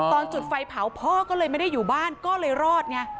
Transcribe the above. ตอนจุดไฟเผาพ่อก็เลยไม่ได้อยู่บ้านก็เลยรอดไง